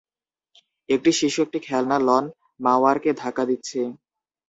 একটি শিশু একটি খেলনা লন মাওয়ারকে ধাক্কা দিচ্ছে।